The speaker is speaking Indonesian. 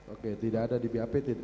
oke tidak ada di bap